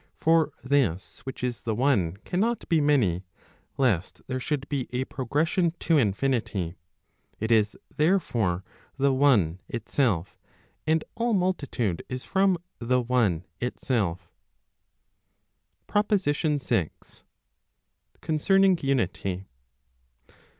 For this which is the one cannot be many, lest there should be a progression to infinity. It is, therefore, the one itself, and all multitude is from the one itself PROPOSITION VI. Concerning Unity.